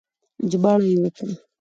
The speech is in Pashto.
ژباړه يې وکړه